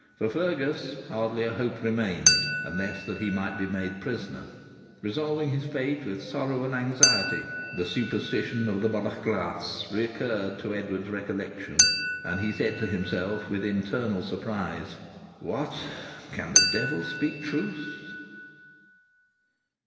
For Fergus hardly a hope remained, unless that he might be made prisoner Revolving his fate with sorrow and anxiety, the superstition of the Bodach Glas recurred to Edward's recollection, and he said to himself, with internal surprise 'What, can the devil speak truth?'